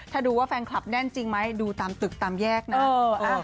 ถ้าดูว่าแฟนคลับแน่นจริงไหมดูตามตึกตามแยกนะ